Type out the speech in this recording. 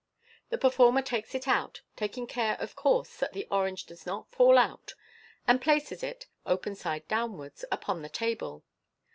The performer takes it out, taking care, of course, that the orange does not fall out, and places it (open side downwards) upon the table.